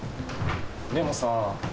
でもさあ。